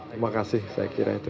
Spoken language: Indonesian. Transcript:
terima kasih saya kira itu